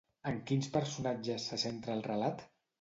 En quins personatges se centra el relat?